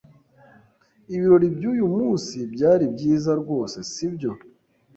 Ibirori byuyu munsi byari byiza rwose, sibyo?